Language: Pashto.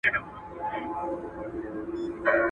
بیا هیلمند په غېږ کي واخلي د لنډیو آوازونه.